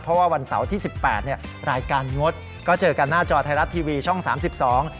เพราะว่าวันเสาร์ที่สิบแปดเนี้ยรายการงดก็เจอกันหน้าจอไทยรัฐทีวีช่องสามสิบสอง